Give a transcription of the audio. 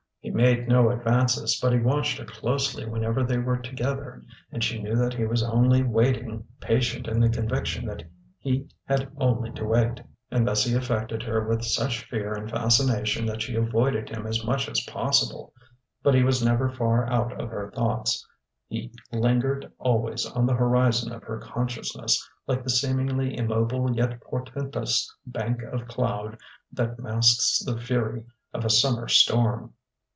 He made no advances; but he watched her closely whenever they were together; and she knew that he was only waiting, patient in the conviction that he had only to wait. And thus he affected her with such fear and fascination that she avoided him as much as possible; but he was never far out of her thoughts; he lingered always on the horizon of her consciousness like the seemingly immobile yet portentous bank of cloud that masks the fury of a summer storm....